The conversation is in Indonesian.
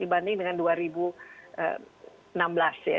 dibanding dengan dua ribu enam belas ya